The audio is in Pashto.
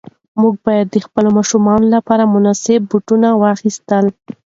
موږ باید د خپلو ماشومانو لپاره مناسب بوټان واخیستل.